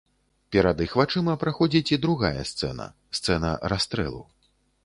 Перад іх вачыма праходзіць і другая сцэна, сцэна расстрэлу.